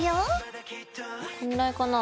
こんぐらいかな？